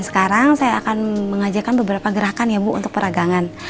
sekarang saya akan mengajarkan beberapa gerakan ya bu untuk peragangan